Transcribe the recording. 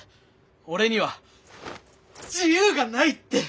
俺には自由がないって！